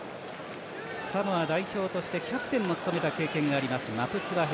サモア代表としてキャプテンも務めた経験があります